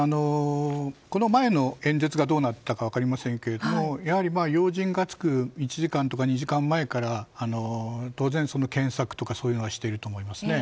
この前の演説がどうだったか分かりませんがやはり要人が着く１時間から２時間前から当然、検査とかはしていると思いますね。